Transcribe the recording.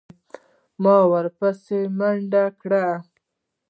ما ورپسې منډه کړه.